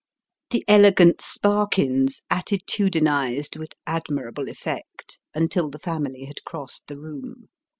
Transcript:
The elegant Sparkins attitudinised with admirable effect, until the family had crossed the room.